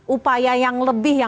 upaya yang lebih baik